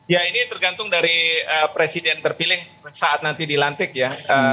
ya ini tergantung dari presiden terpilih saat nanti dilantik ya